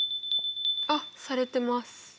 あっされてます！